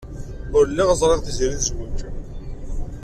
Ur lliɣ ẓriɣ Tiziri tezwej.